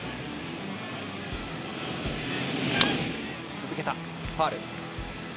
続けたファウル。